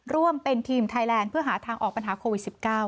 ร่วมเป็นทีมไทยแลนด์เพื่อหาทางออกปัญหาโควิด๑๙